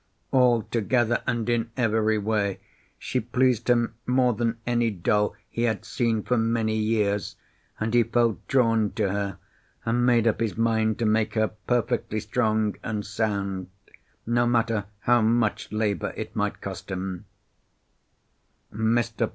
Altogether and in every way she pleased him more than any doll he had seen for many years, and he felt drawn to her, and made up his mind to make her perfectly strong and sound, no matter how much labour it might cost him. Mr.